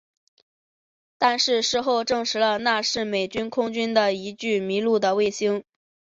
但是事后证实那是美国空军的一具迷路的卫星。